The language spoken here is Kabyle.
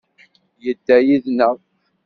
Yedda yid-neɣ.